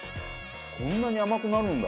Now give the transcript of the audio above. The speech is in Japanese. こんなに甘くなるんだ。